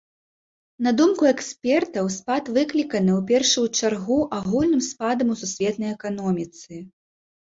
На думку экспертаў, спад выкліканы, у першую чаргу, агульным спадам у сусветнай эканоміцы.